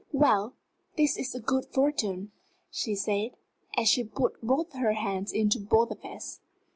"Well, this is good fortune," she said, as she put both her hands into both of his.